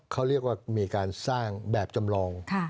เขาเรียกว่ามีการสร้างแบบจำลอง